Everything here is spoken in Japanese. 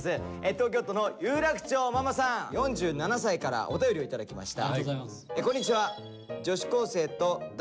東京都の有楽町ママさん４７歳からお便りを頂きました。